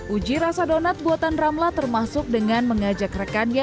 uji rasa donat buatan ramla termasuk dengan mengajak rekannya